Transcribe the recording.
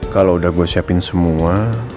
kalau udah gue siapin semua